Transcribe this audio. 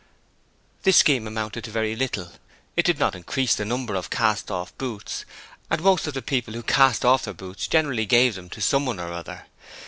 This scheme amounted to very little. It did not increase the number of cast off boots, and most of the people who 'cast off' their boots generally gave them to someone or other.